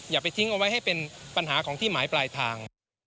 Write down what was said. อย่าไปทิ้งเอาไว้ให้เป็นปัญหาของที่หมายปลายทาง